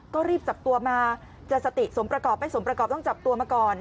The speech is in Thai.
ก็รีบจับตัวมาจะสติสมประกอบไม่สมประกอบต้องจับตัวมาก่อน